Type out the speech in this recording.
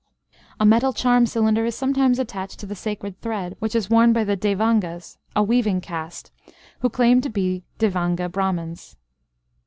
A metal charm cylinder is sometimes attached to the sacred thread, which is worn by Devangas (a weaving caste), who claim to be Devanga Brahmans.